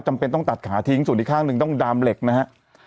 จำเป็นต้องตัดขาทิ้งส่วนอีกข้างหนึ่งต้องดามเหล็กนะฮะ